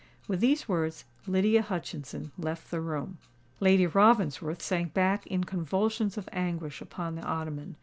With these words Lydia Hutchinson left the room. Lady Ravensworth sank back in convulsions of anguish upon the ottoman.